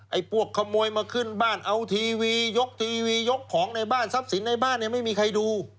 พวกขโมยมาขึ้นบ้านเอาทีวียกทีวียกของในบ้านทรัพย์สินในบ้านเนี่ยไม่มีใครดู